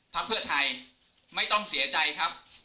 พักเพื่อไทยไม่ต้องเสียใจครับ